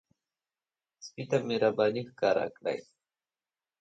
سپي ته مهرباني ښکار کړئ.